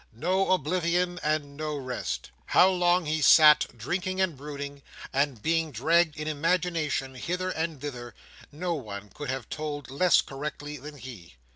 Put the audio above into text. No oblivion, and no rest. How long he sat, drinking and brooding, and being dragged in imagination hither and thither, no one could have told less correctly than he.